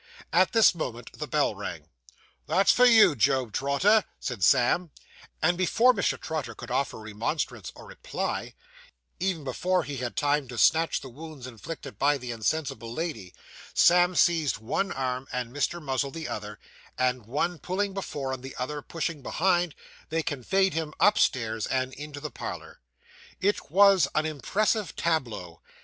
At this moment, the bell rang. 'That's for you, Job Trotter,' said Sam; and before Mr. Trotter could offer remonstrance or reply even before he had time to stanch the wounds inflicted by the insensible lady Sam seized one arm and Mr. Muzzle the other, and one pulling before, and the other pushing behind, they conveyed him upstairs, and into the parlour. It was an impressive tableau.